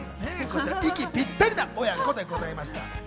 息ぴったりな親子でございました。